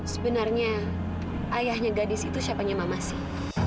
sebenarnya ayahnya gadis itu siapanya mama sih